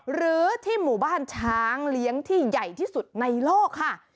หรือที่หมู่บ้านช้างเลี้ยงที่ใหญ่ที่สุดในโลกค่ะ